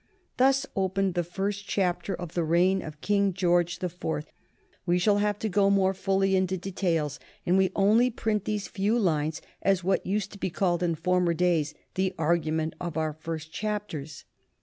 Thus opened the first chapter of the reign of King George the Fourth. We shall have to go more fully into details, and we only print these few lines as what used to be called in former days the argument of our first chapters.